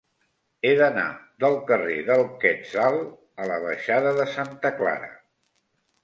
He d'anar del carrer del Quetzal a la baixada de Santa Clara.